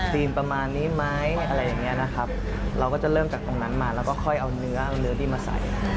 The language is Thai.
ประมาณนี้ไหมอะไรอย่างเงี้ยนะครับเราก็จะเริ่มจากตรงนั้นมาแล้วก็ค่อยเอาเนื้อเอาเนื้อที่มาใส่